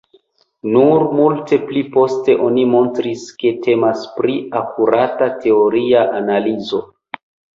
Nur multe pli poste oni montris, ke temas pri akurata teoria analizo.